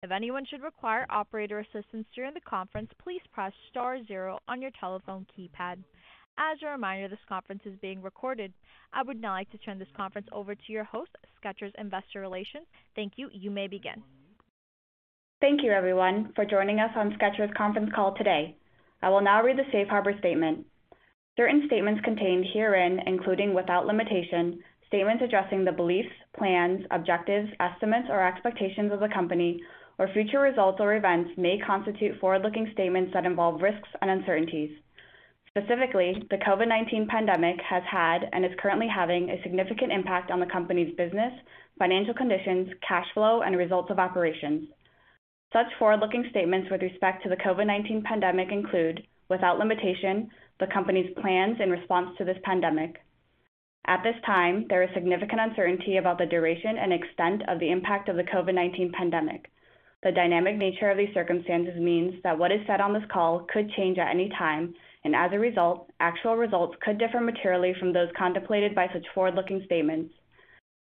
Thank you, everyone, for joining us on Skechers conference call today. I will now read the safe harbor statement. Certain statements contained herein, including, without limitation, statements addressing the beliefs, plans, objectives, estimates, or expectations of the company or future results or events may constitute forward-looking statements that involve risks and uncertainties. Specifically, the COVID-19 pandemic has had and is currently having a significant impact on the company's business, financial conditions, cash flow, and results of operations. Such forward-looking statements with respect to the COVID-19 pandemic include, without limitation, the company's plans in response to this pandemic. At this time, there is significant uncertainty about the duration and extent of the impact of the COVID-19 pandemic. The dynamic nature of these circumstances means that what is said on this call could change at any time, and as a result, actual results could differ materially from those contemplated by such forward-looking statements.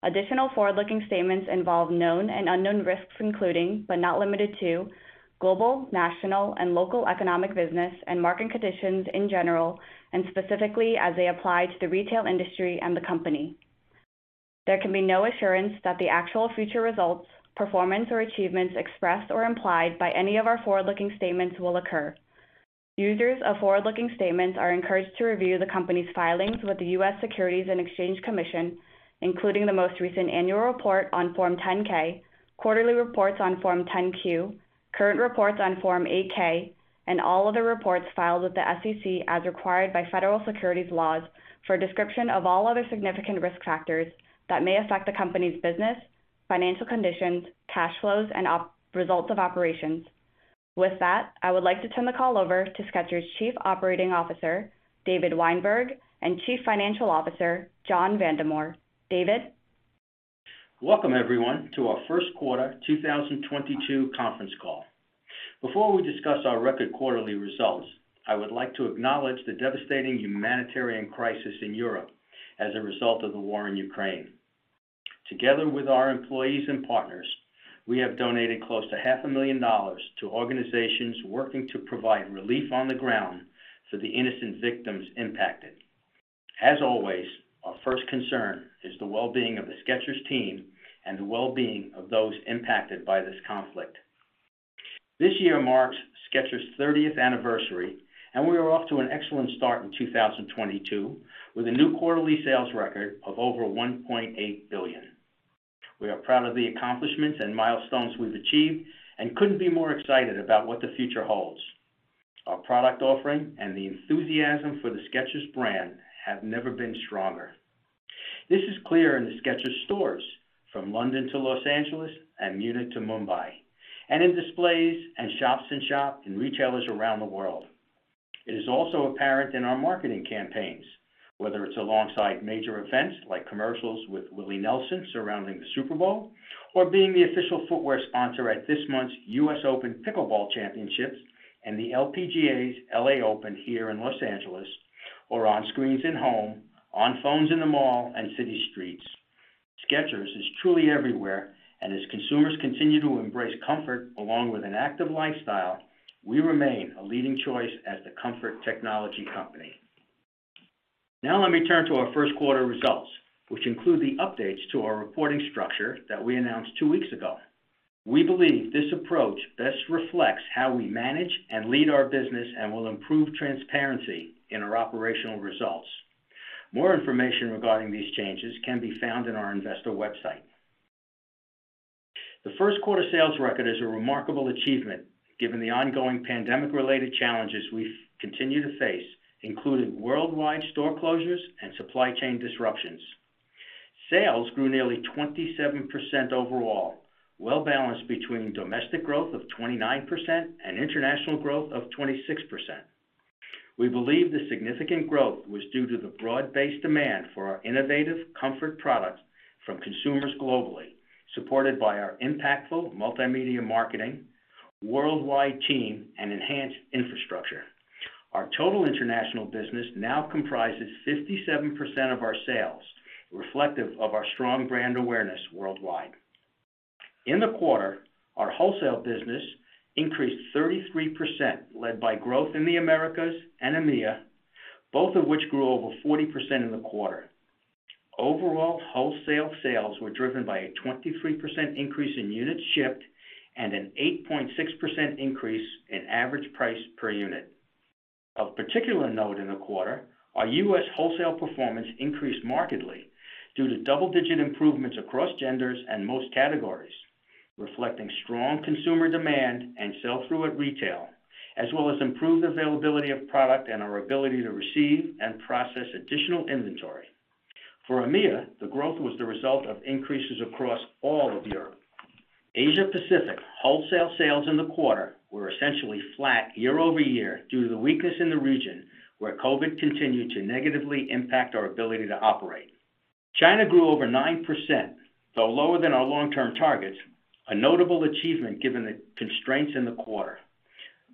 Additional forward-looking statements involve known and unknown risks, including, but not limited to, global, national, and local economic business and market conditions in general, and specifically as they apply to the retail industry and the company. There can be no assurance that the actual future results, performance, or achievements expressed or implied by any of our forward-looking statements will occur. Users of forward-looking statements are encouraged to review the company's filings with the U.S. Securities and Exchange Commission, including the most recent annual report on Form 10-K, quarterly reports on Form 10-Q, current reports on Form 8-K, and all other reports filed with the SEC as required by federal securities laws for a description of all other significant risk factors that may affect the company's business, financial conditions, cash flows, and results of operations. With that, I would like to turn the call over to Skechers' Chief Operating Officer, David Weinberg, and Chief Financial Officer, John Vandemore. David? Welcome, everyone, to our first quarter 2022 conference call. Before we discuss our record quarterly results, I would like to acknowledge the devastating humanitarian crisis in Europe as a result of the war in Ukraine. Together with our employees and partners, we have donated close to half a million dollars to organizations working to provide relief on the ground for the innocent victims impacted. As always, our first concern is the well-being of the Skechers team and the well-being of those impacted by this conflict. This year marks Skechers' 30th anniversary, and we are off to an excellent start in 2022 with a new quarterly sales record of over $1.8 billion. We are proud of the accomplishments and milestones we've achieved and couldn't be more excited about what the future holds. Our product offering and the enthusiasm for the Skechers brand have never been stronger. This is clear in the Skechers stores from London to Los Angeles and Munich to Mumbai, and in displays and shops and shop-in-shops in retailers around the world. It is also apparent in our marketing campaigns, whether it's alongside major events like commercials with Willie Nelson surrounding the Super Bowl or being the official footwear sponsor at this month's U.S. Open Pickleball Championships and the LPGA's L.A. Open here in Los Angeles, or on screens in homes, on phones in the mall and city streets. Skechers is truly everywhere. As consumers continue to embrace comfort along with an active lifestyle, we remain a leading choice as the comfort technology company. Now let me turn to our first quarter results, which include the updates to our reporting structure that we announced two weeks ago. We believe this approach best reflects how we manage and lead our business and will improve transparency in our operational results. More information regarding these changes can be found in our investor website. The first quarter sales record is a remarkable achievement given the ongoing pandemic-related challenges we continue to face, including worldwide store closures and supply chain disruptions. Sales grew nearly 27% overall, well balanced between domestic growth of 29% and international growth of 26%. We believe the significant growth was due to the broad-based demand for our innovative comfort products from consumers globally, supported by our impactful multimedia marketing, worldwide team, and enhanced infrastructure. Our total international business now comprises 57% of our sales, reflective of our strong brand awareness worldwide. In the quarter, our wholesale business increased 33%, led by growth in the Americas and EMEA, both of which grew over 40% in the quarter. Overall, wholesale sales were driven by a 23% increase in units shipped and an 8.6% increase in average price per unit. Of particular note in the quarter, our U.S. wholesale performance increased markedly due to double-digit improvements across genders and most categories, reflecting strong consumer demand and sell-through at retail, as well as improved availability of product and our ability to receive and process additional inventory. For EMEA, the growth was the result of increases across all of Europe. Asia-Pacific wholesale sales in the quarter were essentially flat year-over-year due to the weakness in the region, where COVID continued to negatively impact our ability to operate. China grew over 9%, though lower than our long-term targets, a notable achievement given the constraints in the quarter.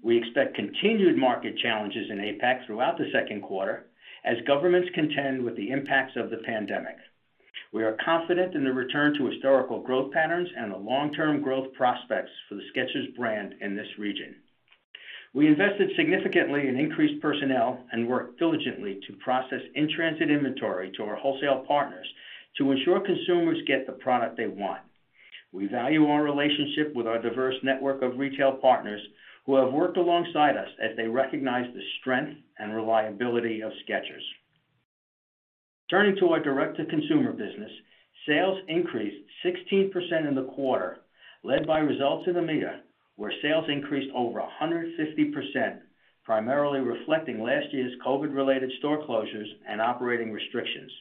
We expect continued market challenges in APAC throughout the second quarter as governments contend with the impacts of the pandemic. We are confident in the return to historical growth patterns and the long-term growth prospects for the Skechers brand in this region. We invested significantly in increased personnel and worked diligently to process in-transit inventory to our wholesale partners to ensure consumers get the product they want. We value our relationship with our diverse network of retail partners, who have worked alongside us as they recognize the strength and reliability of Skechers. Turning to our Direct-to-Consumer business, sales increased 16% in the quarter, led by results in EMEA, where sales increased over 150%, primarily reflecting last year's COVID-related store closures and operating restrictions.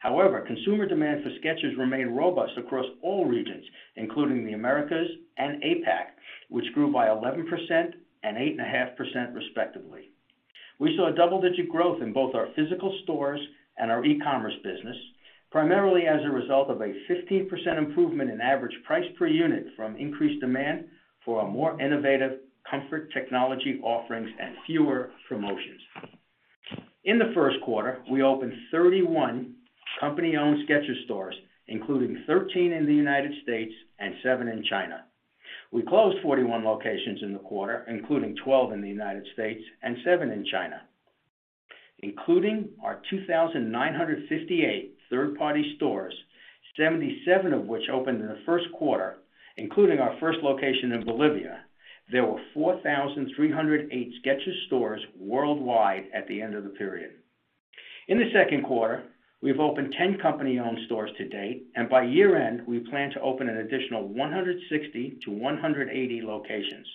However, consumer demand for Skechers remained robust across all regions, including the Americas and APAC, which grew by 11% and 8.5% respectively. We saw double-digit growth in both our physical stores and our e-commerce business, primarily as a result of a 15% improvement in average price per unit from increased demand for our more innovative comfort technology offerings and fewer promotions. In the first quarter, we opened 31 company-owned Skechers stores, including 13 in the United States and seven in China. We closed 41 locations in the quarter, including 12 in the United States and seven in China. Including our 2,958 third-party stores, 77 of which opened in the first quarter, including our first location in Bolivia, there were 4,308 Skechers stores worldwide at the end of the period. In the second quarter, we've opened 10 company-owned stores to date, and by year-end, we plan to open an additional 160-180 locations.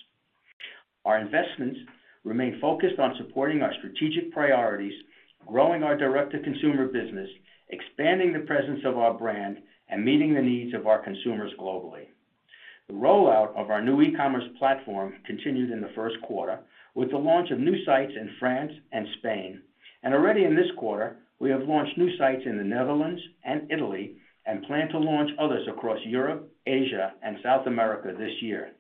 Our investments remain focused on supporting our strategic priorities, growing our direct-to-consumer business, expanding the presence of our brand, and meeting the needs of our consumers globally. The rollout of our new e-commerce platform continued in the first quarter with the launch of new sites in France and Spain. Already in this quarter, we have launched new sites in the Netherlands and Italy and plan to launch others across Europe, Asia, and South America this year.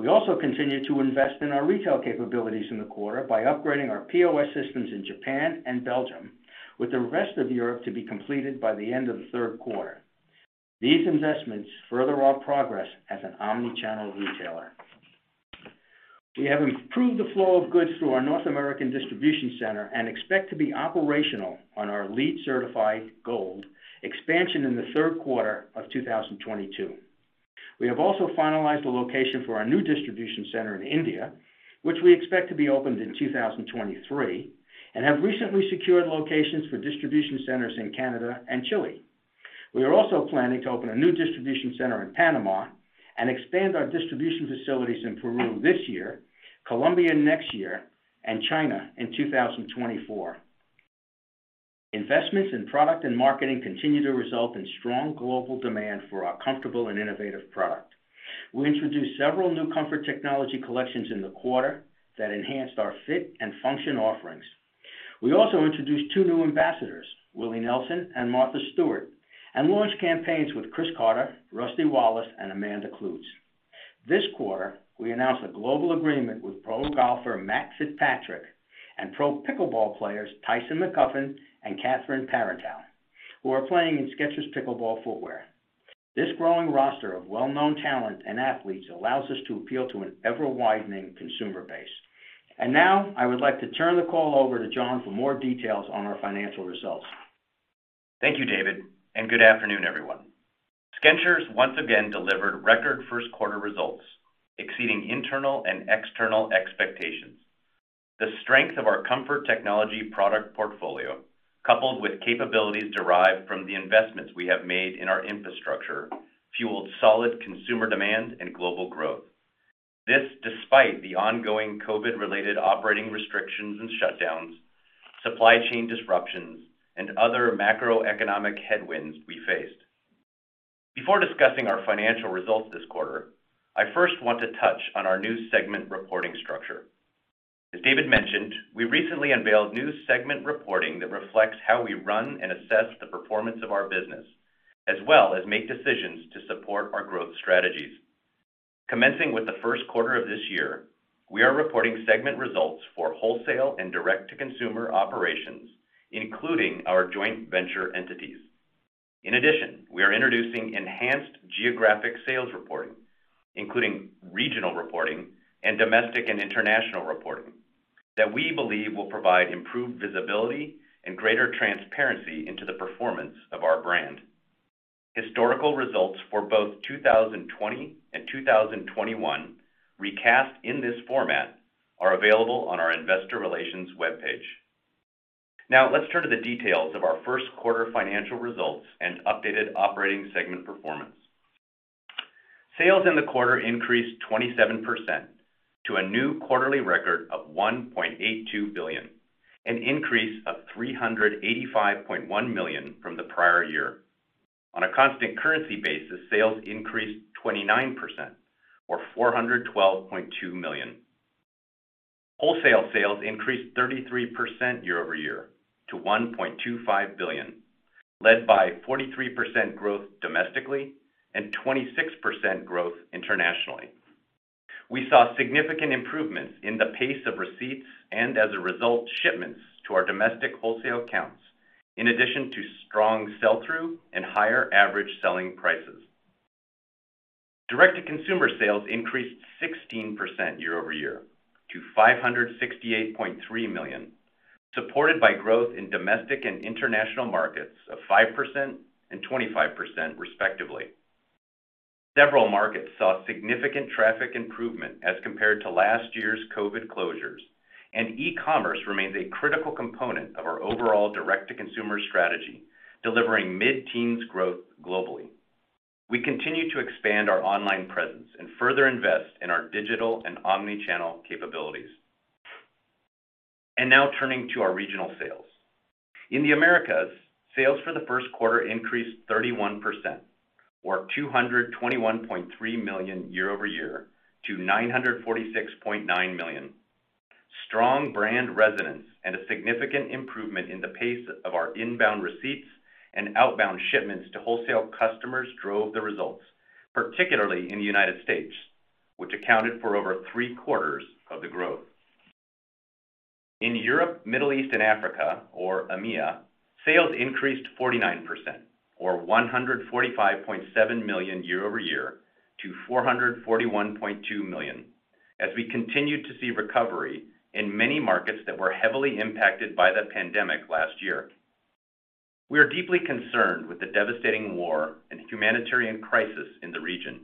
We also continued to invest in our retail capabilities in the quarter by upgrading our POS systems in Japan and Belgium, with the rest of Europe to be completed by the end of the third quarter. These investments further our progress as an omni-channel retailer. We have improved the flow of goods through our North American distribution center and expect to be operational on our LEED certified gold expansion in the third quarter of 2022. We have also finalized the location for our new distribution center in India, which we expect to be opened in 2023, and have recently secured locations for distribution centers in Canada and Chile. We are also planning to open a new distribution center in Panama and expand our distribution facilities in Peru this year, Colombia next year, and China in 2024. Investments in product and marketing continue to result in strong global demand for our comfortable and innovative product. We introduced several new comfort technology collections in the quarter that enhanced our fit and function offerings. We also introduced two new ambassadors, Willie Nelson and Martha Stewart, and launched campaigns with Cris Carter, Rusty Wallace, and Amanda Kloots. This quarter, we announced a global agreement with pro golfer Matt Fitzpatrick and pro pickleball players Tyson McGuffin and Catherine Parenteau, who are playing in Skechers pickleball footwear. This growing roster of well-known talent and athletes allows us to appeal to an ever-widening consumer base. Now, I would like to turn the call over to John for more details on our financial results. Thank you, David, and good afternoon, everyone. Skechers once again delivered record first quarter results, exceeding internal and external expectations. The strength of our comfort technology product portfolio, coupled with capabilities derived from the investments we have made in our infrastructure, fueled solid consumer demand and global growth. This, despite the ongoing COVID-related operating restrictions and shutdowns, supply chain disruptions, and other macroeconomic headwinds we faced. Before discussing our financial results this quarter, I first want to touch on our new segment reporting structure. As David mentioned, we recently unveiled new segment reporting that reflects how we run and assess the performance of our business, as well as make decisions to support our growth strategies. Commencing with the first quarter of this year, we are reporting segment results for wholesale and Direct-to-Consumer operations, including our joint venture entities. In addition, we are introducing enhanced geographic sales reporting, including regional reporting and domestic and international reporting, that we believe will provide improved visibility and greater transparency into the performance of our brand. Historical results for both 2020 and 2021, recast in this format, are available on our investor relations webpage. Now, let's turn to the details of our first quarter financial results and updated operating segment performance. Sales in the quarter increased 27% to a new quarterly record of $1.82 billion, an increase of $385.1 million from the prior year. On a constant currency basis, sales increased 29% or $412.2 million. Wholesale sales increased 33% year over year to $1.25 billion, led by 43% growth domestically and 26% growth internationally. We saw significant improvements in the pace of receipts and as a result, shipments to our domestic wholesale accounts in addition to strong sell-through and higher average selling prices. Direct-to-consumer sales increased 16% year over year to $568.3 million, supported by growth in domestic and international markets of 5% and 25% respectively. Several markets saw significant traffic improvement as compared to last year's COVID closures, and e-commerce remains a critical component of our overall direct-to-consumer strategy, delivering mid-teens growth globally. We continue to expand our online presence and further invest in our digital and omni-channel capabilities. Now turning to our regional sales. In the Americas, sales for the first quarter increased 31% or $221.3 million year over year to $946.9 million. Strong brand resonance and a significant improvement in the pace of our inbound receipts and outbound shipments to wholesale customers drove the results, particularly in the United States, which accounted for over three-quarters of the growth. In Europe, Middle East, and Africa, or EMEA, sales increased 49% or $145.7 million year over year to $441.2 million, as we continued to see recovery in many markets that were heavily impacted by the pandemic last year. We are deeply concerned with the devastating war and humanitarian crisis in the region.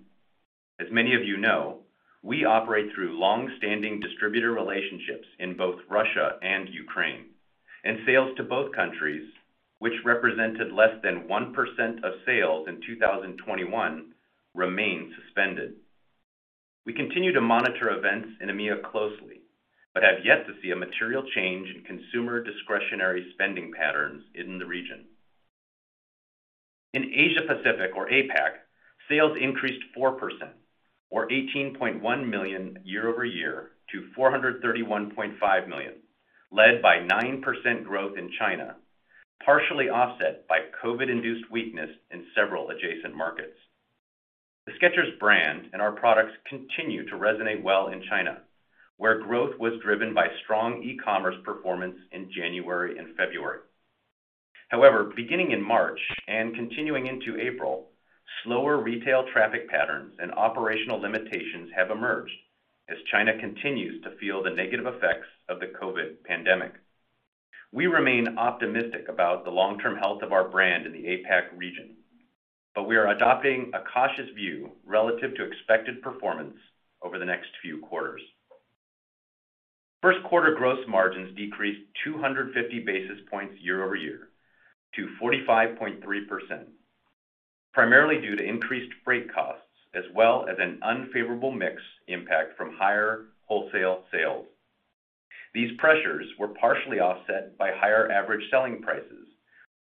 As many of you know, we operate through long-standing distributor relationships in both Russia and Ukraine, and sales to both countries, which represented less than 1% of sales in 2021, remain suspended. We continue to monitor events in EMEA closely, but have yet to see a material change in consumer discretionary spending patterns in the region. In Asia Pacific or APAC, sales increased 4% or $18.1 million year over year to $431.5 million, led by 9% growth in China, partially offset by COVID-induced weakness in several adjacent markets. The Skechers brand and our products continue to resonate well in China, where growth was driven by strong e-commerce performance in January and February. However, beginning in March and continuing into April, slower retail traffic patterns and operational limitations have emerged as China continues to feel the negative effects of the COVID pandemic. We remain optimistic about the long-term health of our brand in the APAC region, but we are adopting a cautious view relative to expected performance over the next few quarters. First quarter gross margins decreased 250 basis points year-over-year to 45.3%, primarily due to increased freight costs as well as an unfavorable mix impact from higher wholesale sales. These pressures were partially offset by higher average selling prices,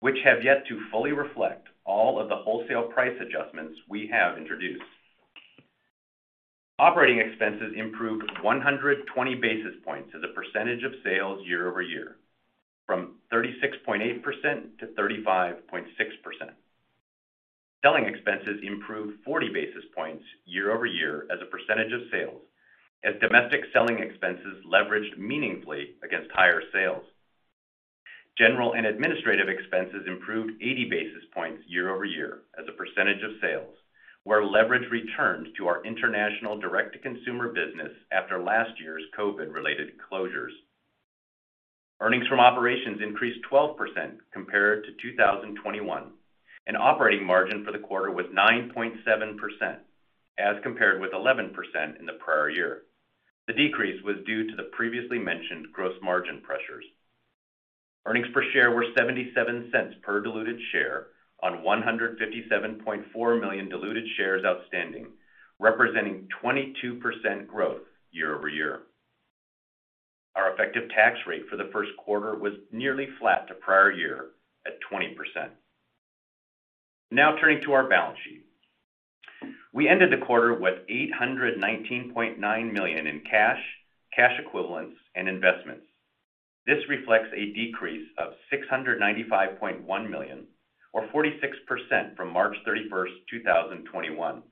which have yet to fully reflect all of the wholesale price adjustments we have introduced. Operating expenses improved 120 basis points as a percentage of sales year-over-year from 36.8% to 35.6%. Selling expenses improved 40 basis points year-over-year as a percentage of sales as domestic selling expenses leveraged meaningfully against higher sales. General and administrative expenses improved 80 basis points year-over-year as a percentage of sales, where leverage returned to our international Direct-to-Consumer business after last year's COVID-related closures. Earnings from operations increased 12% compared to 2021, and operating margin for the quarter was 9.7% as compared with 11% in the prior year. The decrease was due to the previously mentioned gross margin pressures. Earnings per share were $0.77 per diluted share on 157.4 million diluted shares outstanding, representing 22% growth year-over-year. Our effective tax rate for the first quarter was nearly flat to prior year at 20%. Now, turning to our balance sheet. We ended the quarter with $819.9 million in cash equivalents, and investments. This reflects a decrease of $695.1 million or 46% from March 31st, 2021.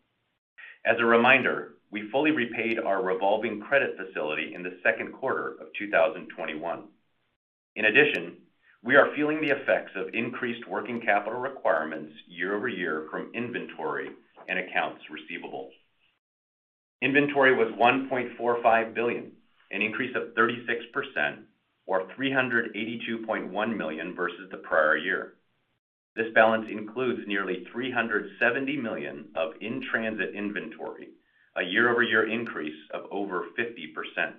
As a reminder, we fully repaid our revolving credit facility in the second quarter of 2021. In addition, we are feeling the effects of increased working capital requirements year-over-year from inventory and accounts receivable. Inventory was $1.45 billion, an increase of 36% or $382.1 million versus the prior year. This balance includes nearly $370 million of in-transit inventory, a year-over-year increase of over 50%.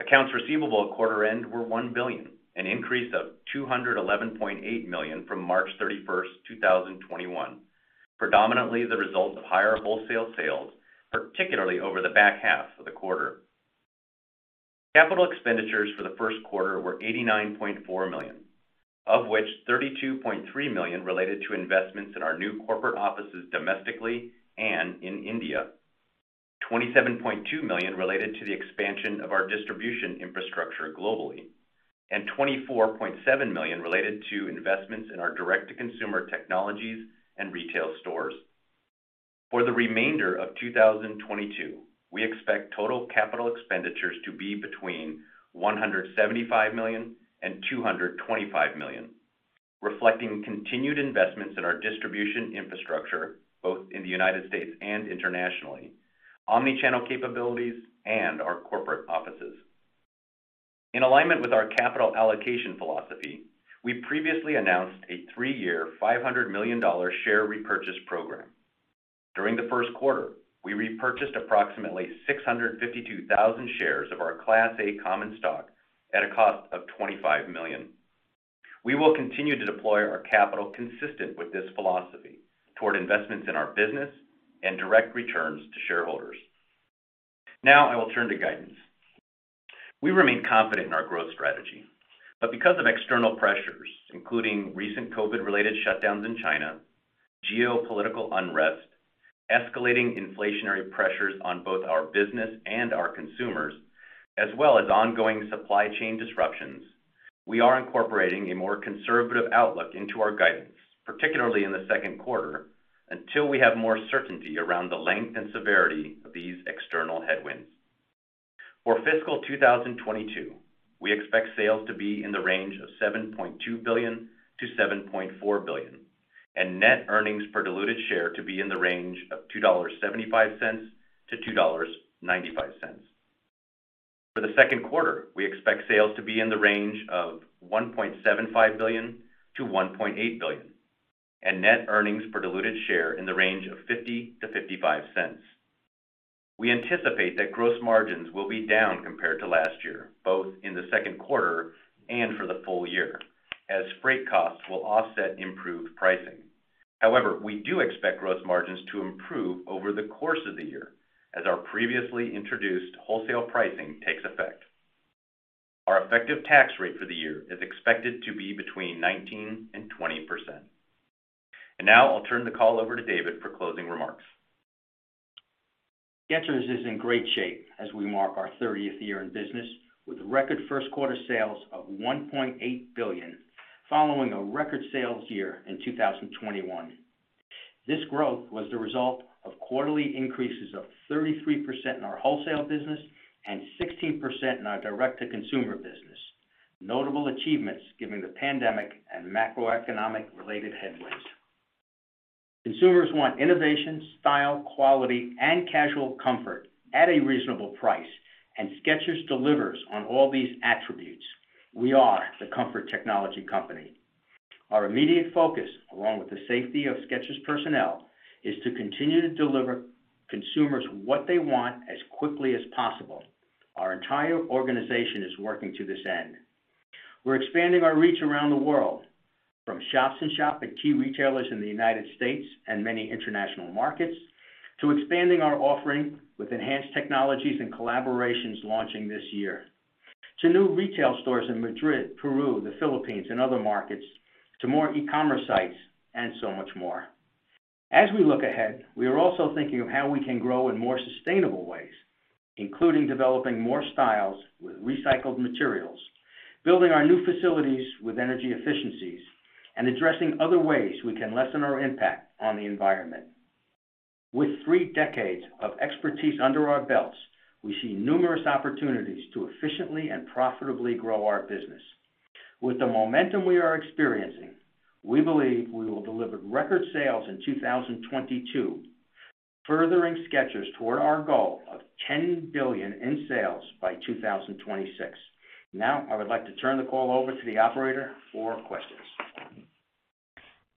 Accounts receivable at quarter end were $1 billion, an increase of $211.8 million from March 31st, 2021, predominantly the result of higher wholesale sales, particularly over the back half of the quarter. Capital expenditures for the first quarter were $89.4 million. Of which $32.3 million related to investments in our new corporate offices domestically and in India. $27.2 million related to the expansion of our distribution infrastructure globally, and $24.7 million related to investments in our direct-to-consumer technologies and retail stores. For the remainder of 2022, we expect total capital expenditures to be between $175 million and $225 million, reflecting continued investments in our distribution infrastructure, both in the United States and internationally, omni-channel capabilities, and our corporate offices. In alignment with our capital allocation philosophy, we previously announced a three-year, $500 million share repurchase program. During the first quarter, we repurchased approximately 652,000 shares of our Class A common stock at a cost of $25 million. We will continue to deploy our capital consistent with this philosophy toward investments in our business and direct returns to shareholders. Now I will turn to guidance. We remain confident in our growth strategy, but because of external pressures, including recent COVID-related shutdowns in China, geopolitical unrest, escalating inflationary pressures on both our business and our consumers, as well as ongoing supply chain disruptions, we are incorporating a more conservative outlook into our guidance, particularly in the second quarter, until we have more certainty around the length and severity of these external headwinds. For fiscal 2022, we expect sales to be in the range of $7.2 billion-$7.4 billion, and net earnings per diluted share to be in the range of $2.75-$2.95. For the second quarter, we expect sales to be in the range of $1.75 billion-$1.8 billion, and net earnings per diluted share in the range of $0.50-$0.55. We anticipate that gross margins will be down compared to last year, both in the second quarter and for the full year, as freight costs will offset improved pricing. However, we do expect gross margins to improve over the course of the year as our previously introduced wholesale pricing takes effect. Our effective tax rate for the year is expected to be between 19% and 20%. Now I'll turn the call over to David for closing remarks. Skechers is in great shape as we mark our 30th year in business with record first quarter sales of $1.8 billion, following a record sales year in 2021. This growth was the result of quarterly increases of 33% in our wholesale business and 16% in our Direct-to-Consumer business. Notable achievements given the pandemic and macroeconomic related headwinds. Consumers want innovation, style, quality, and casual comfort at a reasonable price, and Skechers delivers on all these attributes. We are the comfort technology company. Our immediate focus, along with the safety of Skechers personnel, is to continue to deliver consumers what they want as quickly as possible. Our entire organization is working to this end. We're expanding our reach around the world, from shops and shop at key retailers in the United States and many international markets, to expanding our offering with enhanced technologies and collaborations launching this year, to new retail stores in Madrid, Peru, the Philippines and other markets, to more e-commerce sites and so much more. As we look ahead, we are also thinking of how we can grow in more sustainable ways, including developing more styles with recycled materials, building our new facilities with energy efficiencies, and addressing other ways we can lessen our impact on the environment. With three decades of expertise under our belts, we see numerous opportunities to efficiently and profitably grow our business. With the momentum we are experiencing, we believe we will deliver record sales in 2022, furthering Skechers toward our goal of $10 billion in sales by 2026. Now, I would like to turn the call over to the operator for questions.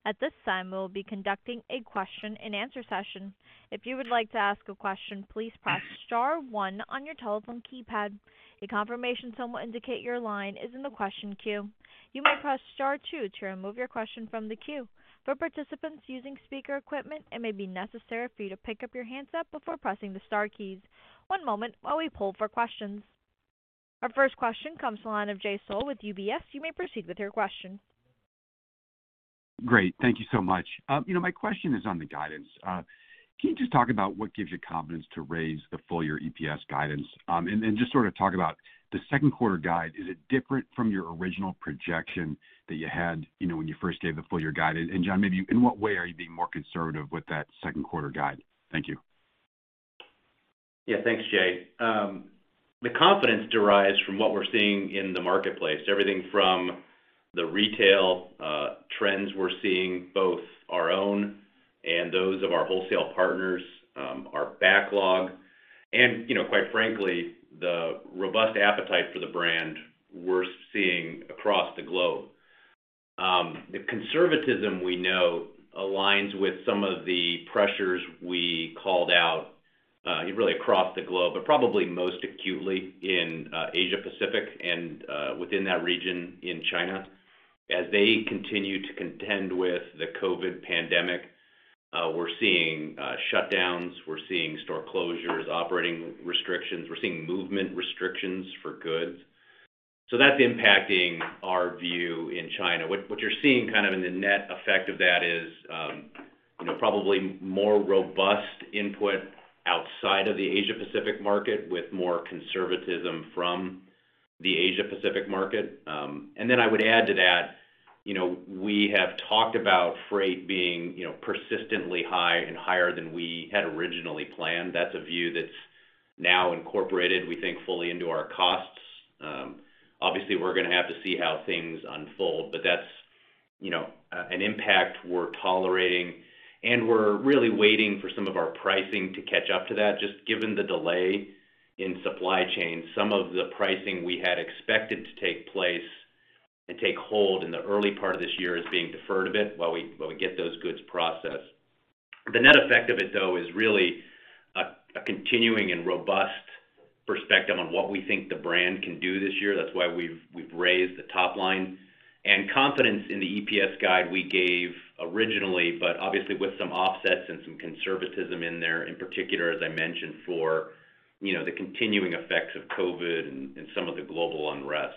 At this time, we'll be conducting a question and answer session. If you would like to ask a question, please press star one on your telephone keypad. A confirmation tone will indicate your line is in the question queue. You may press star two to remove your question from the queue. For participants using speaker equipment, it may be necessary for you to pick up your handset before pressing the star keys. One moment while we pull for questions. Our first question comes to the line of Jay Sole with UBS. You may proceed with your question. Great. Thank you so much. You know, my question is on the guidance. Can you just talk about what gives you confidence to raise the full year EPS guidance? And just sort of talk about the second quarter guide, is it different from your original projection that you had, you know, when you first gave the full year guidance? John, maybe in what way are you being more conservative with that second quarter guide? Thank you. Yeah. Thanks, Jay. The confidence derives from what we're seeing in the marketplace. Everything from the retail trends we're seeing, both our own and those of our wholesale partners, our backlog and, you know, quite frankly, the robust appetite for the brand we're seeing across the globe. The conservatism we know aligns with some of the pressures we called out, really across the globe, but probably most acutely in Asia-Pacific and within that region in China as they continue to contend with the COVID pandemic. We're seeing shutdowns, we're seeing store closures, operating restrictions. We're seeing movement restrictions for goods. So that's impacting our view in China. What you're seeing kind of in the net effect of that is, you know, probably more robust input outside of the Asia-Pacific market with more conservatism from the Asia-Pacific market. I would add to that, you know, we have talked about freight being, you know, persistently high and higher than we had originally planned. That's a view that's now incorporated, we think, fully into our costs. Obviously, we're gonna have to see how things unfold, but that's, you know, an impact we're tolerating, and we're really waiting for some of our pricing to catch up to that, just given the delay in supply chain. Some of the pricing we had expected to take place and take hold in the early part of this year is being deferred a bit while we get those goods processed. The net effect of it, though, is really a continuing and robust perspective on what we think the brand can do this year. That's why we've raised the top line. Confidence in the EPS guide we gave originally, but obviously with some offsets and some conservatism in there, in particular, as I mentioned, for, you know, the continuing effects of COVID and some of the global unrest.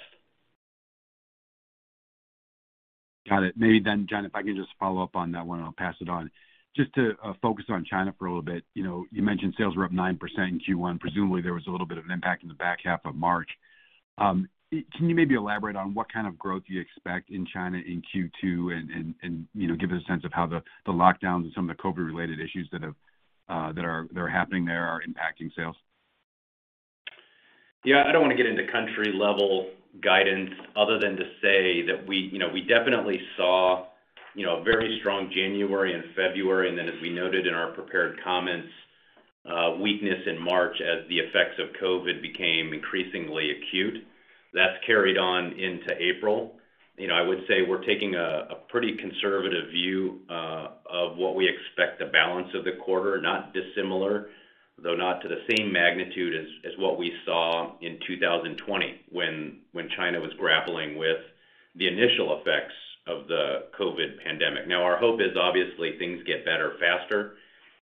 Got it. Maybe then, John, if I can just follow up on that one, and I'll pass it on. Just to focus on China for a little bit, you know, you mentioned sales were up 9% in Q1. Presumably, there was a little bit of an impact in the back half of March. Can you maybe elaborate on what kind of growth you expect in China in Q2 and, you know, give a sense of how the lockdowns and some of the COVID-related issues that are happening there are impacting sales? Yeah. I don't wanna get into country-level guidance other than to say that we, you know, we definitely saw, you know, very strong January and February, and then, as we noted in our prepared comments, weakness in March as the effects of COVID became increasingly acute. That's carried on into April. You know, I would say we're taking a pretty conservative view of what we expect the balance of the quarter, not dissimilar, though not to the same magnitude as what we saw in 2020 when China was grappling with the initial effects of the COVID pandemic. Now our hope is obviously things get better faster,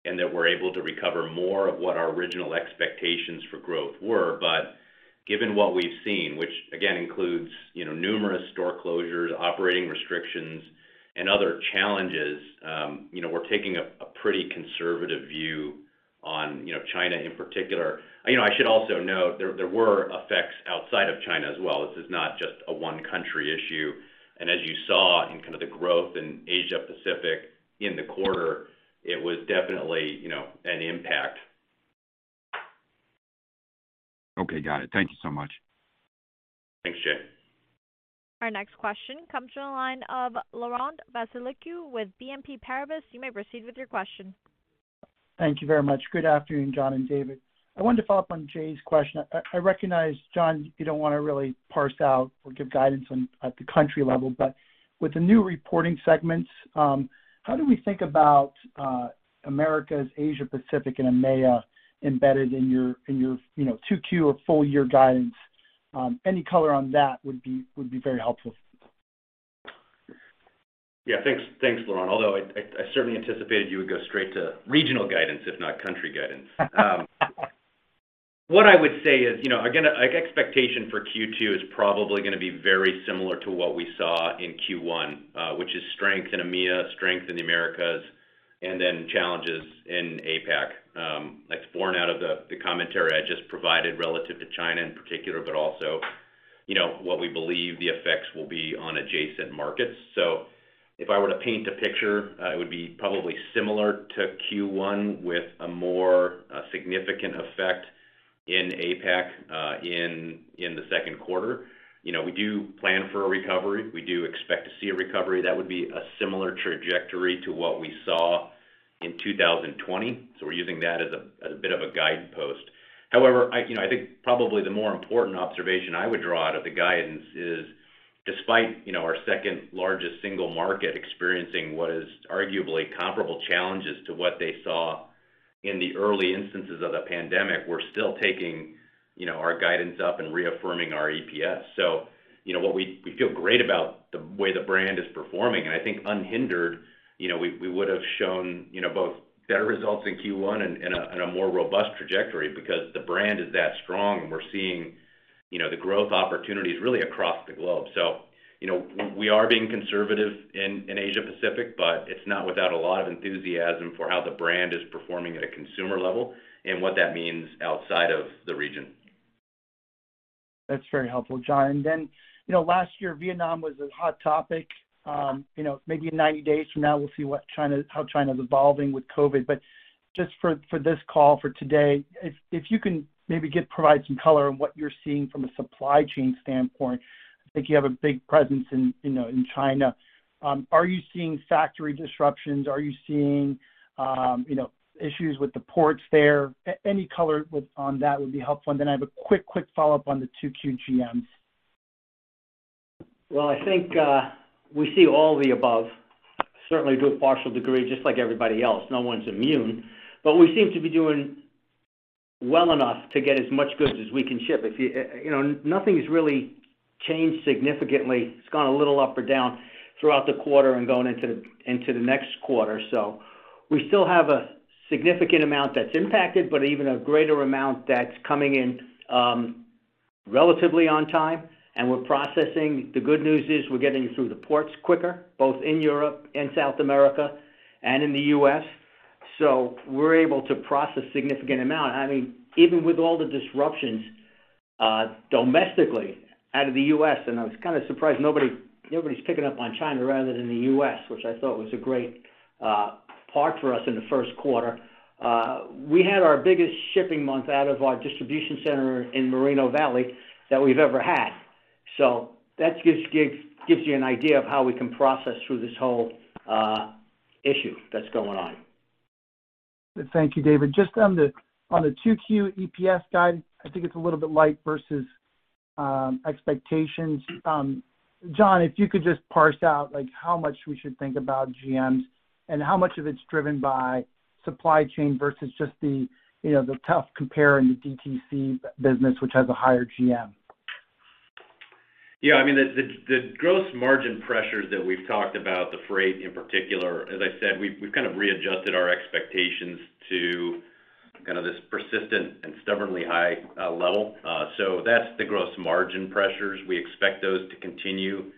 and that we're able to recover more of what our original expectations for growth were. Given what we've seen, which again includes, you know, numerous store closures, operating restrictions, and other challenges, you know, we're taking a pretty conservative view on, you know, China in particular. You know, I should also note, there were effects outside of China as well. This is not just a one-country issue. As you saw in kind of the growth in Asia Pacific in the quarter, it was definitely, you know, an impact. Okay, got it. Thank you so much. Thanks, Jay. Our next question comes from the line of Laurent Vasilescu with BNP Paribas. You may proceed with your question. Thank you very much. Good afternoon, John and David. I wanted to follow up on Jay's question. I recognize, John, you don't wanna really parse out or give guidance on at the country level. With the new reporting segments, how do we think about Americas, Asia Pacific and EMEA embedded in your you know 2Q or full year guidance? Any color on that would be very helpful. Yeah. Thanks. Thanks, Laurent. Although I certainly anticipated you would go straight to regional guidance, if not country guidance. What I would say is, you know, again, like, expectation for Q2 is probably gonna be very similar to what we saw in Q1, which is strength in EMEA, strength in the Americas, and then challenges in APAC. That's born out of the commentary I just provided relative to China in particular, but also, you know, what we believe the effects will be on adjacent markets. If I were to paint a picture, it would be probably similar to Q1 with a more significant effect in APAC in the second quarter. You know, we do plan for a recovery. We do expect to see a recovery that would be a similar trajectory to what we saw in 2020. We're using that as a bit of a guidepost. However, I, you know, I think probably the more important observation I would draw out of the guidance is, despite, you know, our second-largest single market experiencing what is arguably comparable challenges to what they saw in the early instances of the pandemic, we're still taking, you know, our guidance up and reaffirming our EPS. You know, what we feel great about the way the brand is performing, and I think unhindered, you know, we would have shown, you know, both better results in Q1 and a more robust trajectory because the brand is that strong and we're seeing, you know, the growth opportunities really across the globe. You know, we are being conservative in Asia Pacific, but it's not without a lot of enthusiasm for how the brand is performing at a consumer level and what that means outside of the region. That's very helpful, John. Then, you know, last year, Vietnam was a hot topic. You know, maybe in 90 days from now, we'll see what China's how China's evolving with COVID. Just for this call for today, if you can maybe provide some color on what you're seeing from a supply chain standpoint. I think you have a big presence in, you know, in China. Are you seeing factory disruptions? Are you seeing, you know, issues with the ports there? Any color on that would be helpful. Then I have a quick follow-up on the 2Q GMs. Well, I think we see all the above, certainly to a partial degree, just like everybody else. No one's immune. We seem to be doing well enough to get as much goods as we can ship. You know, nothing's really changed significantly. It's gone a little up or down throughout the quarter and going into the next quarter. We still have a significant amount that's impacted, but even a greater amount that's coming in relatively on time, and we're processing. The good news is we're getting through the ports quicker, both in Europe and South America and in the U.S. We're able to process significant amount. I mean, even with all the disruptions, domestically out of the U.S., and I was kind of surprised nobody's picking up on China rather than the U.S., which I thought was a great part for us in the first quarter. We had our biggest shipping month out of our distribution center in Moreno Valley than we've ever had. So that just gives you an idea of how we can process through this whole issue that's going on. Thank you, David. Just on the 2Q EPS guide, I think it's a little bit light versus expectations. John, if you could just parse out like how much we should think about GMs and how much of it's driven by supply chain versus just the, you know, the tough compare in the DTC business, which has a higher GM. Yeah. I mean, the gross margin pressures that we've talked about, the freight in particular, as I said, we've kind of readjusted our expectations to kind of this persistent and stubbornly high level. That's the gross margin pressures. We expect those to continue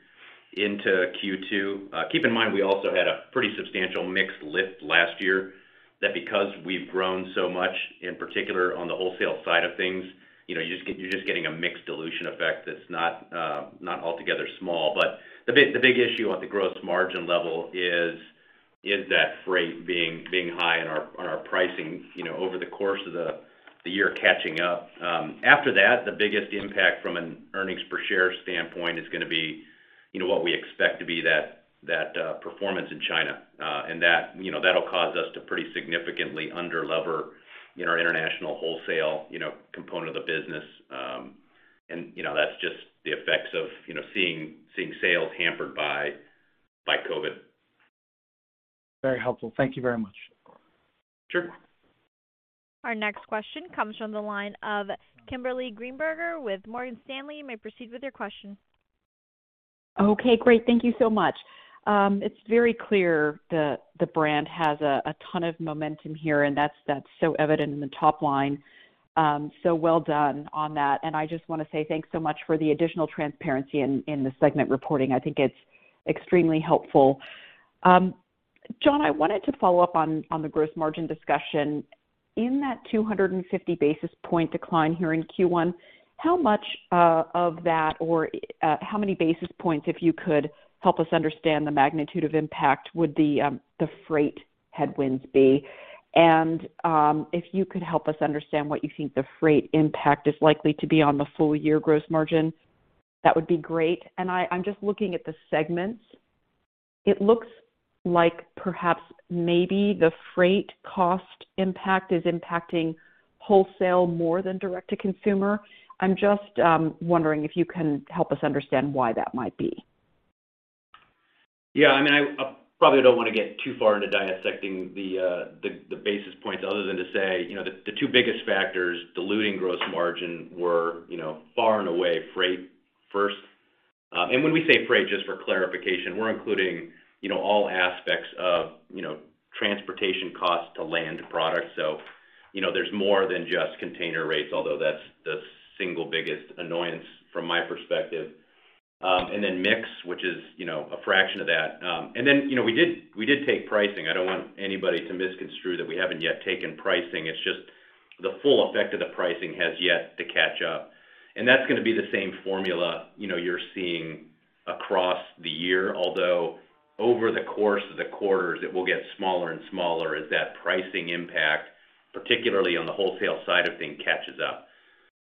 into Q2. Keep in mind we also had a pretty substantial mixed lift last year that because we've grown so much, in particular on the wholesale side of things, you know, you're just getting a mix dilution effect that's not altogether small. The big issue on the gross margin level is that freight being high on our pricing, you know, over the course of the year catching up. After that, the biggest impact from an earnings per share standpoint is gonna be, you know, what we expect to be that performance in China. That, you know, that'll cause us to pretty significantly underleverage in our international wholesale, you know, component of the business. That's just the effects of, you know, seeing sales hampered by COVID. Very helpful. Thank you very much. Sure. Our next question comes from the line of Kimberly Greenberger with Morgan Stanley. You may proceed with your question. Okay, great. Thank you so much. It's very clear the brand has a ton of momentum here, and that's so evident in the top line. Well done on that. I just wanna say thanks so much for the additional transparency in the segment reporting. I think it's extremely helpful. John, I wanted to follow up on the gross margin discussion. In that 250 basis points decline here in Q1, how much of that or how many basis points, if you could help us understand the magnitude of impact, would the freight headwinds be? If you could help us understand what you think the freight impact is likely to be on the full year gross margin, that would be great. I'm just looking at the segments. It looks like perhaps maybe the freight cost impact is impacting wholesale more than direct to consumer. I'm just wondering if you can help us understand why that might be. Yeah, I mean, I probably don't wanna get too far into dissecting the basis points other than to say, you know, the two biggest factors diluting gross margin were, you know, far and away freight first. And when we say freight, just for clarification, we're including, you know, all aspects of, you know, transportation costs to land products. So, you know, there's more than just container rates, although that's the single biggest annoyance from my perspective. And then mix, which is, you know, a fraction of that. And then, you know, we did take pricing. I don't want anybody to misconstrue that we haven't yet taken pricing. It's just the full effect of the pricing has yet to catch up, and that's gonna be the same formula, you know, you're seeing across the year. Although, over the course of the quarters, it will get smaller and smaller as that pricing impact, particularly on the wholesale side of things, catches up.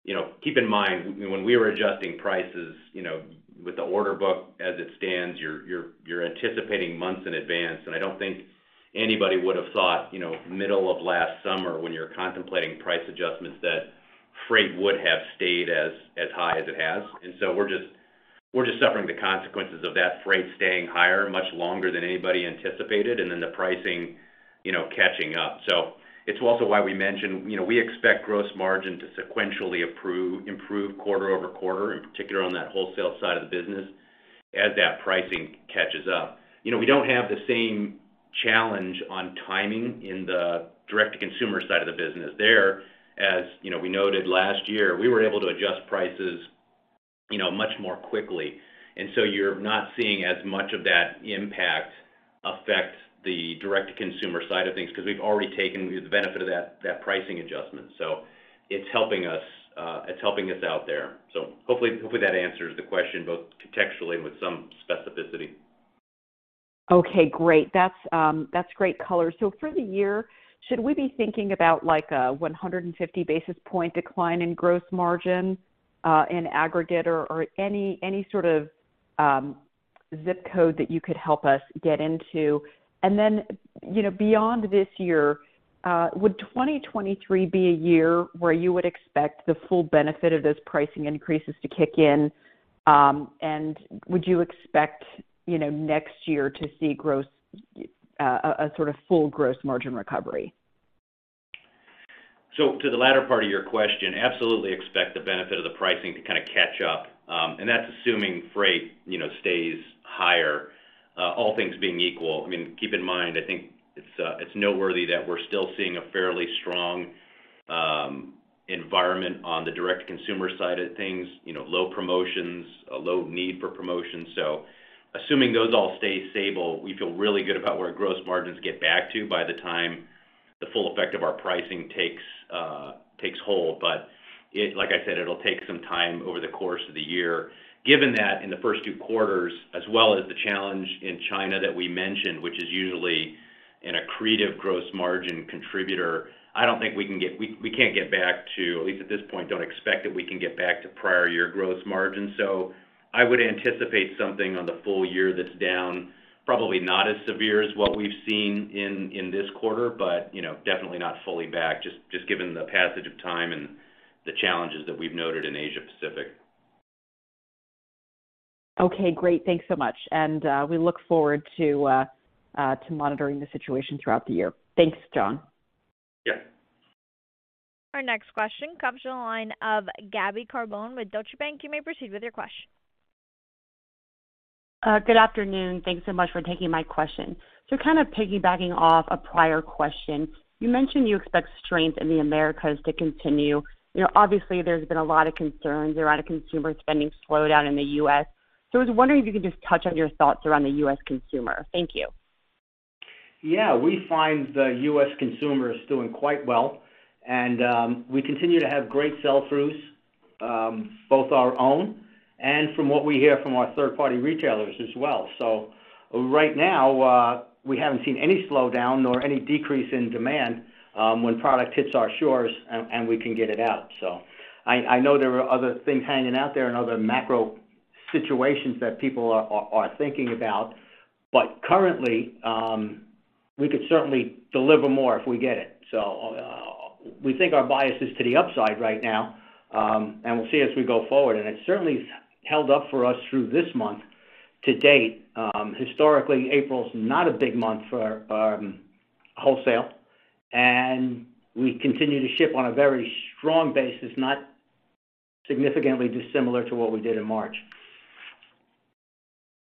You know, keep in mind, when we were adjusting prices, you know, with the order book as it stands, you're anticipating months in advance. I don't think anybody would have thought, you know, middle of last summer when you're contemplating price adjustments that freight would have stayed as high as it has. We're just suffering the consequences of that freight staying higher much longer than anybody anticipated and then the pricing, you know, catching up. It's also why we mentioned, you know, we expect gross margin to sequentially improve quarter-over-quarter, in particular on that wholesale side of the business, as that pricing catches up. You know, we don't have the same challenge on timing in the Direct-to-Consumer side of the business. There, as you know, we noted last year, we were able to adjust prices, you know, much more quickly. You're not seeing as much of that impact affect the Direct-to-Consumer side of things 'cause we've already taken the benefit of that pricing adjustment. It's helping us out there. Hopefully, that answers the question both contextually and with some specificity. Okay, great. That's great color. For the year, should we be thinking about like a 150 basis point decline in gross margin in aggregate or any sort of zip code that you could help us get into? Then, you know, beyond this year, would 2023 be a year where you would expect the full benefit of those pricing increases to kick in? Would you expect, you know, next year to see a sort of full gross margin recovery? To the latter part of your question, absolutely expect the benefit of the pricing to kind of catch up. That's assuming freight, you know, stays higher, all things being equal. I mean, keep in mind, I think it's noteworthy that we're still seeing a fairly strong environment on the direct-to-consumer side of things, you know, low promotions, a low need for promotion. Assuming those all stay stable, we feel really good about where gross margins get back to by the time the full effect of our pricing takes hold. It, like I said, it'll take some time over the course of the year. Given that in the first two quarters, as well as the challenge in China that we mentioned, which is usually an accretive gross margin contributor, I don't think we can get back to prior-year gross margin. We can't get back to prior-year gross margin, at least at this point. Don't expect that we can get back to prior-year gross margin. I would anticipate something on the full year that's down, probably not as severe as what we've seen in this quarter, but you know, definitely not fully back, just given the passage of time and the challenges that we've noted in Asia Pacific. Okay, great. Thanks so much. We look forward to monitoring the situation throughout the year. Thanks, John. Yeah. Our next question comes from the line of Gabriella Carbone with Deutsche Bank. You may proceed with your question. Good afternoon. Thanks so much for taking my question. Kind of piggybacking off a prior question, you mentioned you expect strength in the Americas to continue. You know, obviously, there's been a lot of concerns around a consumer spending slowdown in the U.S. I was wondering if you could just touch on your thoughts around the U.S. consumer. Thank you. Yeah. We find the U.S. consumer is doing quite well, and we continue to have great sell-throughs, both our own and from what we hear from our third-party retailers as well. Right now, we haven't seen any slowdown nor any decrease in demand, when product hits our shores and we can get it out. I know there are other things hanging out there and other macro situations that people are thinking about, but currently, we could certainly deliver more if we get it. We think our bias is to the upside right now, and we'll see as we go forward. It certainly held up for us through this month to date. Historically, April's not a big month for our wholesale, and we continue to ship on a very strong basis, not significantly dissimilar to what we did in March.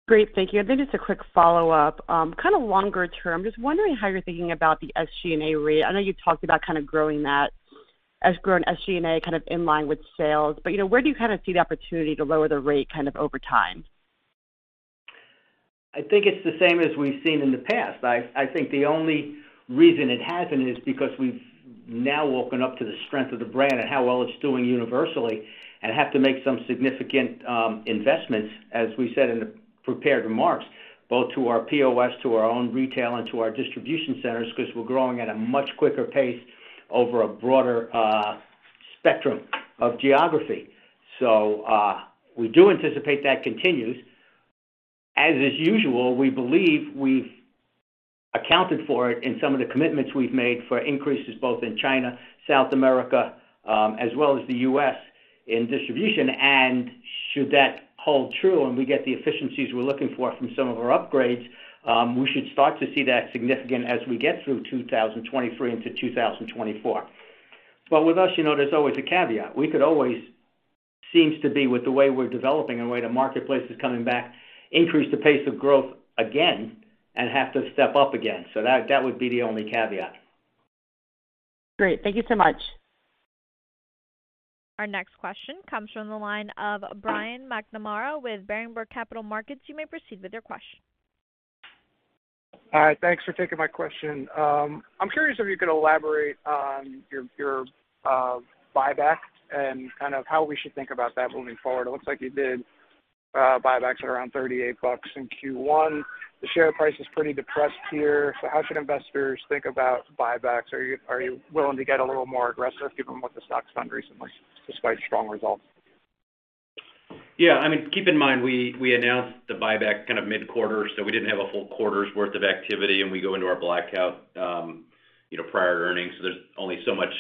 Great. Thank you. Just a quick follow-up. Kind of longer term, just wondering how you're thinking about the SG&A rate. I know you talked about kind of growing SG&A kind of in line with sales. You know, where do you kind of see the opportunity to lower the rate kind of over time? I think it's the same as we've seen in the past. I think the only reason it hasn't is because we've now woken up to the strength of the brand and how well it's doing universally and have to make some significant investments, as we said in the prepared remarks, both to our POS, to our own retail, and to our distribution centers, because we're growing at a much quicker pace over a broader spectrum of geography. We do anticipate that continues. As is usual, we believe we've accounted for it in some of the commitments we've made for increases both in China, South America, as well as the U.S. in distribution. Should that hold true and we get the efficiencies we're looking for from some of our upgrades, we should start to see that significant as we get through 2023 into 2024. With us, you know, there's always a caveat. We could always seem to be with the way we're developing and the way the marketplace is coming back, increase the pace of growth again and have to step up again. That would be the only caveat. Great. Thank you so much. Our next question comes from the line of Brian McNamara with Berenberg Capital Markets. You may proceed with your question. All right. Thanks for taking my question. I'm curious if you could elaborate on your buyback and kind of how we should think about that moving forward. It looks like you did buybacks at around $38 in Q1. The share price is pretty depressed here. How should investors think about buybacks? Are you willing to get a little more aggressive given what the stock's done recently, despite strong results? Yeah. I mean, keep in mind, we announced the buyback kind of mid-quarter, so we didn't have a full quarter's worth of activity, and we go into our blackout, you know, prior earnings. So there's only so much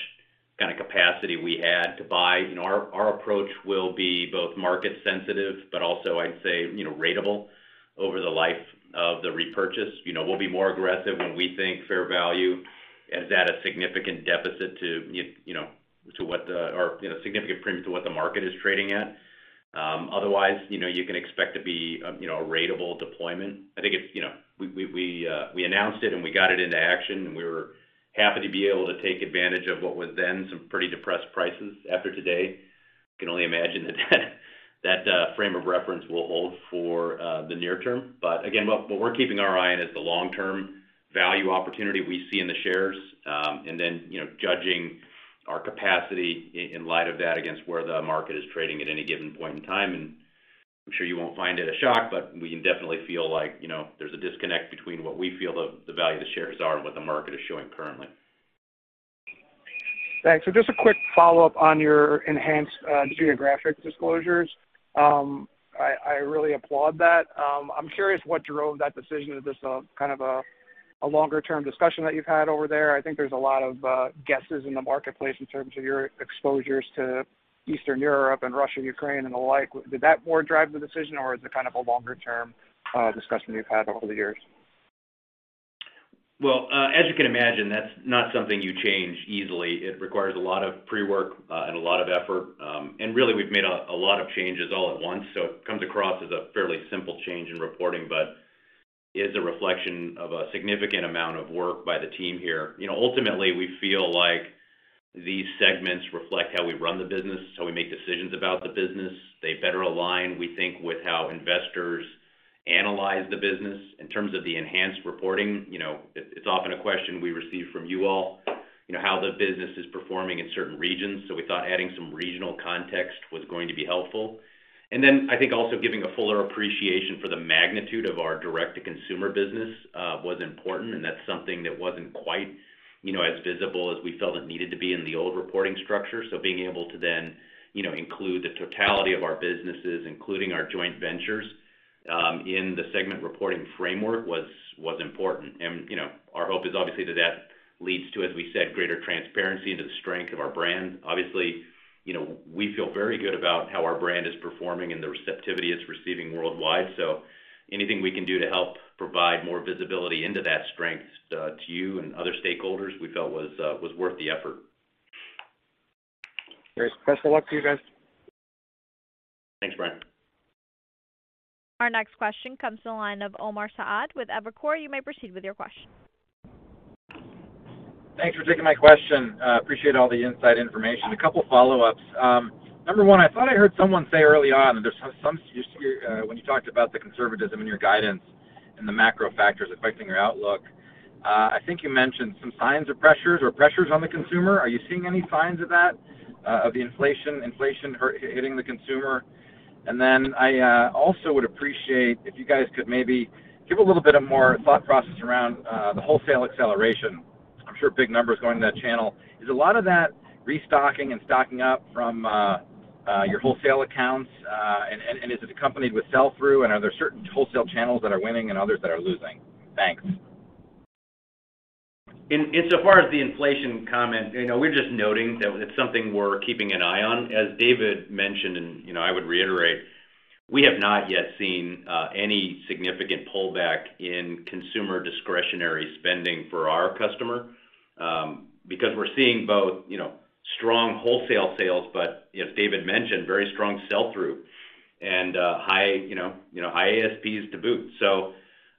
kind of capacity we had to buy. You know, our approach will be both market sensitive, but also I'd say, you know, ratable over the life of the repurchase. You know, we'll be more aggressive when we think fair value is at a significant premium to what the market is trading at. Otherwise, you know, you can expect to be a ratable deployment. I think it's, you know, we announced it and we got it into action, and we were happy to be able to take advantage of what was then some pretty depressed prices after today. I can only imagine that that frame of reference will hold for the near term. Again, what we're keeping our eye on is the long-term value opportunity we see in the shares, and then, you know, judging our capacity in light of that against where the market is trading at any given point in time. I'm sure you won't find it a shock, but we can definitely feel like, you know, there's a disconnect between what we feel the value of the shares are and what the market is showing currently. Thanks. Just a quick follow-up on your enhanced geographic disclosures. I really applaud that. I'm curious what drove that decision. Is this kind of a longer-term discussion that you've had over there? I think there's a lot of guesses in the marketplace in terms of your exposures to Eastern Europe and Russia, Ukraine, and the like. Did that more drive the decision, or is it kind of a longer-term discussion you've had over the years? Well, as you can imagine, that's not something you change easily. It requires a lot of pre-work and a lot of effort. Really, we've made a lot of changes all at once, so it comes across as a fairly simple change in reporting, but is a reflection of a significant amount of work by the team here. You know, ultimately, we feel like these segments reflect how we run the business, it's how we make decisions about the business. They better align, we think, with how investors analyze the business. In terms of the enhanced reporting, you know, it's often a question we receive from you all, you know, how the business is performing in certain regions. We thought adding some regional context was going to be helpful. I think also giving a fuller appreciation for the magnitude of our direct-to-consumer business was important, and that's something that wasn't quite, you know, as visible as we felt it needed to be in the old reporting structure. Being able to then, you know, include the totality of our businesses, including our joint ventures, in the segment reporting framework was important. You know, our hope is obviously that that leads to, as we said, greater transparency into the strength of our brand. Obviously, you know, we feel very good about how our brand is performing and the receptivity it's receiving worldwide. Anything we can do to help provide more visibility into that strength to you and other stakeholders, we felt was worth the effort. Great. Best of luck to you guys. Thanks, Brian. Our next question comes to the line of Omar Saad with Evercore. You may proceed with your question. Thanks for taking my question. Appreciate all the inside information. A couple follow-ups. Number one, I thought I heard someone say early on that there's some. When you talked about the conservatism in your guidance and the macro factors affecting your outlook, I think you mentioned some signs of pressures on the consumer. Are you seeing any signs of that of the inflation hitting the consumer? I also would appreciate if you guys could maybe give a little bit more thought process around the wholesale acceleration. I'm sure big numbers going to that channel. Is a lot of that restocking and stocking up from your wholesale accounts, and is it accompanied with sell-through, and are there certain wholesale channels that are winning and others that are losing? Thanks. Insofar as the inflation comment, you know, we're just noting that it's something we're keeping an eye on. As David mentioned, you know, I would reiterate, we have not yet seen any significant pullback in consumer discretionary spending for our customer, because we're seeing both, you know, strong wholesale sales but, as David mentioned, very strong sell-through and high ASPs to boot.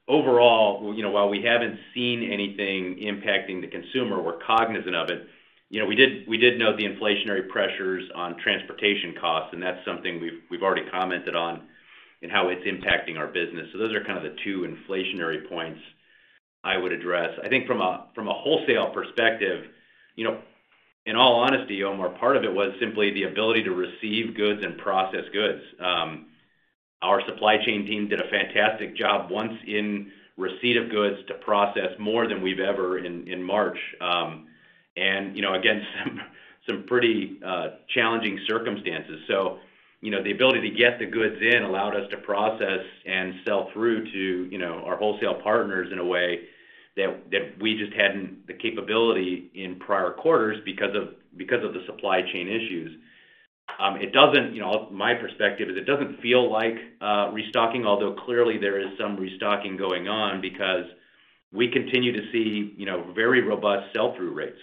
Overall, you know, while we haven't seen anything impacting the consumer, we're cognizant of it. You know, we did note the inflationary pressures on transportation costs, and that's something we've already commented on and how it's impacting our business. Those are kind of the two inflationary points I would address. I think from a wholesale perspective, you know, in all honesty, Omar, part of it was simply the ability to receive goods and process goods. Our supply chain team did a fantastic job once in receipt of goods to process more than we've ever in March, and, you know, against some pretty challenging circumstances. You know, the ability to get the goods in allowed us to process and sell through to, you know, our wholesale partners in a way that we just hadn't the capability in prior quarters because of the supply chain issues. You know, my perspective is it doesn't feel like restocking, although clearly there is some restocking going on because we continue to see, you know, very robust sell-through rates.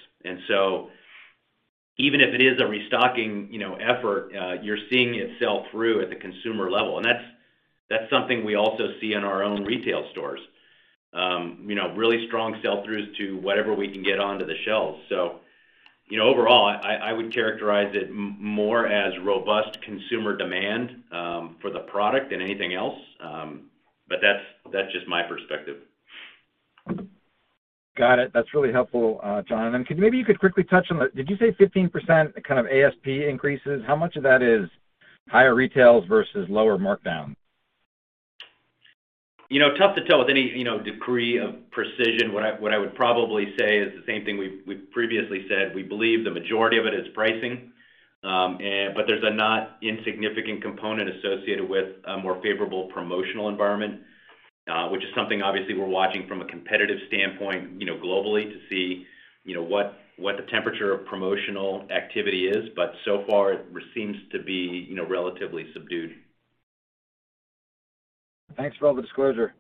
Even if it is a restocking, you know, effort, you're seeing it sell through at the consumer level, and that's something we also see in our own retail stores. You know, really strong sell-throughs to whatever we can get onto the shelves. You know, overall, I would characterize it more as robust consumer demand for the product than anything else. That's just my perspective. Got it. That's really helpful, John. Maybe you could quickly touch on, did you say 15% kind of ASP increases? How much of that is higher retails versus lower markdowns? You know, tough to tell with any, you know, degree of precision. What I would probably say is the same thing we've previously said. We believe the majority of it is pricing. There's a not insignificant component associated with a more favorable promotional environment, which is something obviously we're watching from a competitive standpoint, you know, globally to see, you know, what the temperature of promotional activity is. So far it seems to be, you know, relatively subdued. Thanks for all the disclosure.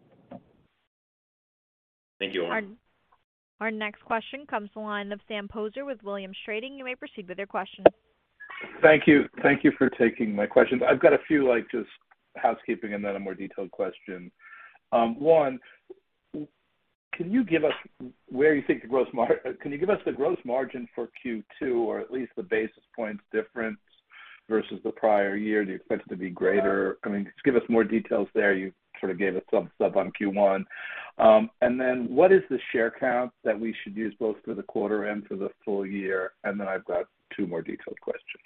Thank you, Omar. Our next question comes to the line of Sam Poser with Williams Trading. You may proceed with your question. Thank you for taking my questions. I've got a few, like, just housekeeping and then a more detailed question. Can you give us the gross margin for Q2 or at least the basis points difference versus the prior year? Do you expect it to be greater? I mean, just give us more details there. You sort of gave us some stuff on Q1. Then what is the share count that we should use both for the quarter and for the full year? Then I've got two more detailed questions.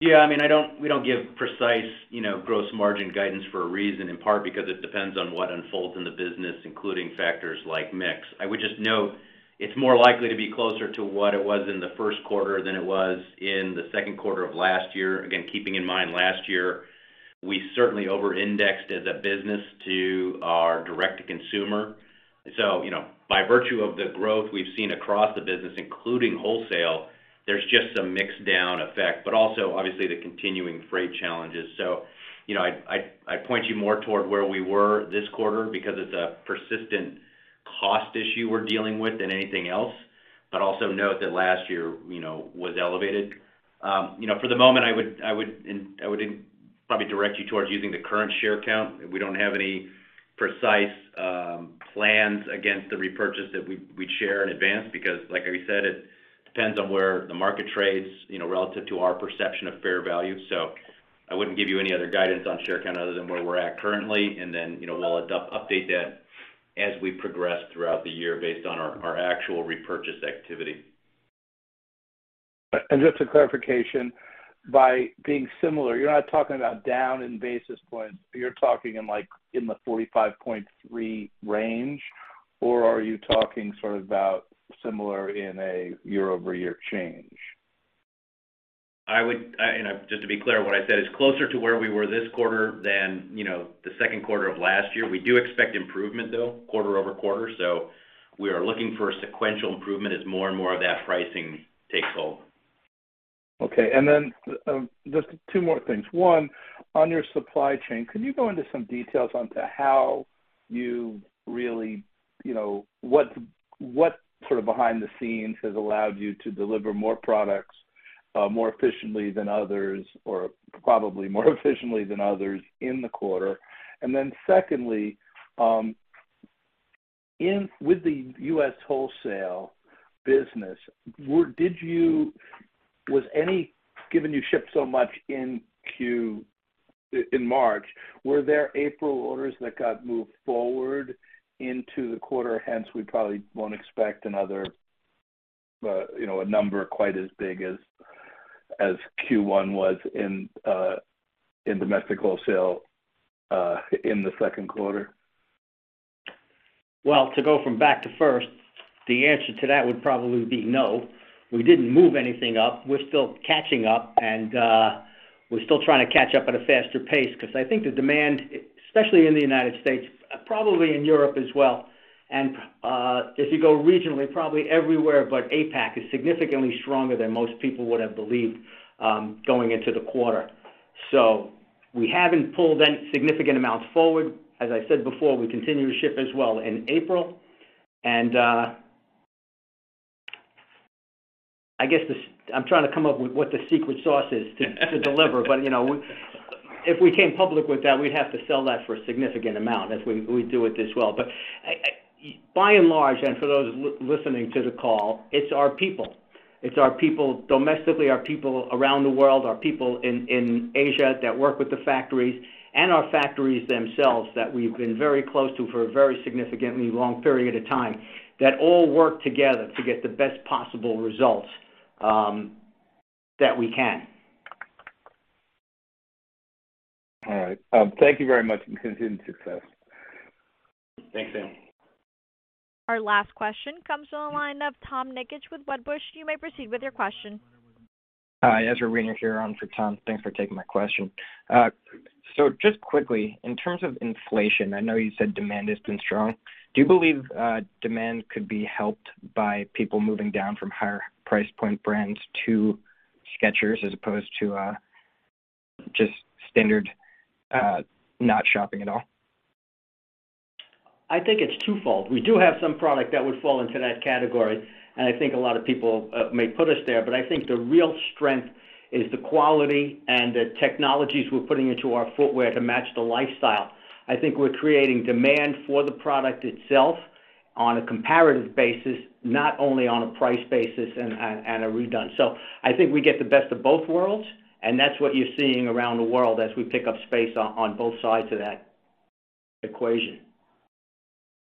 Yeah, I mean, we don't give precise, you know, gross margin guidance for a reason, in part because it depends on what unfolds in the business, including factors like mix. I would just note it's more likely to be closer to what it was in the first quarter than it was in the second quarter of last year. Again, keeping in mind last year, we certainly over-indexed as a business to our Direct-to-Consumer. So, you know, by virtue of the growth we've seen across the business, including wholesale, there's just some mix down effect, but also obviously the continuing freight challenges. You know, I'd point you more toward where we were this quarter because it's a persistent cost issue we're dealing with than anything else. Also note that last year, you know, was elevated. You know, for the moment, I would probably direct you towards using the current share count. We don't have any precise plans against the repurchase that we'd share in advance because like I said, it depends on where the market trades, you know, relative to our perception of fair value. I wouldn't give you any other guidance on share count other than where we're at currently, and then, you know, we'll update that as we progress throughout the year based on our actual repurchase activity. Just for clarification, by being similar, you're not talking about down in basis points, you're talking in like, in the 45.3 range, or are you talking sort of about similar in a year-over-year change? Just to be clear, what I said is closer to where we were this quarter than, you know, the second quarter of last year. We do expect improvement, though, quarter-over-quarter. We are looking for a sequential improvement as more and more of that pricing takes hold. Okay. Then, just two more things. One, on your supply chain, can you go into some details on how you really, you know, what sort of behind the scenes has allowed you to deliver more products, more efficiently than others, or probably more efficiently than others in the quarter? Then secondly, with the U.S. wholesale business, given you shipped so much in Q1 in March, were there April orders that got moved forward into the quarter, hence we probably won't expect another, you know, a number quite as big as Q1 was in domestic wholesale in the second quarter? Well, to go from back to first, the answer to that would probably be no. We didn't move anything up. We're still catching up, and we're still trying to catch up at a faster pace because I think the demand, especially in the United States, probably in Europe as well, and as you go regionally, probably everywhere, but APAC is significantly stronger than most people would have believed, going into the quarter. We haven't pulled any significant amounts forward. As I said before, we continue to ship as well in April. I guess this. I'm trying to come up with what the secret sauce is to deliver. You know, if we came public with that, we'd have to sell that for a significant amount as we do it as well, but, by and large, and for those listening to the call, it's our people. It's our people domestically, our people around the world, our people in Asia that work with the factories, and our factories themselves that we've been very close to for a very significantly long period of time, that all work together to get the best possible results that we can. All right. Thank you very much, and continued success. Thanks, Dan. Our last question comes from the line of Tom Nikic with Wedbush. You may proceed with your question. Hi, Ezra Weener here in for Tom. Thanks for taking my question. Just quickly, in terms of inflation, I know you said demand has been strong. Do you believe demand could be helped by people moving down from higher price point brands to Skechers as opposed to just standard not shopping at all? I think it's twofold. We do have some product that would fall into that category, and I think a lot of people may put us there. I think the real strength is the quality and the technologies we're putting into our footwear to match the lifestyle. I think we're creating demand for the product itself on a comparative basis, not only on a price basis. I think we get the best of both worlds, and that's what you're seeing around the world as we pick up space on both sides of that equation.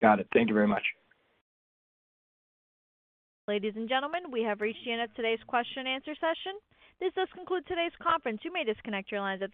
Got it. Thank you very much. Ladies and gentlemen, we have reached the end of today's question-and-answer session. This does conclude today's conference. You may disconnect your lines at this time.